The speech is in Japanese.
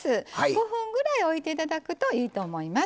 ５分ぐらいおいて頂くといいと思います。